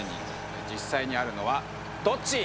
実際にあるのはどっち？